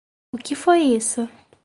O que foi isso?